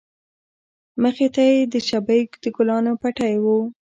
مخې ته يې د شبۍ د گلانو پټى و.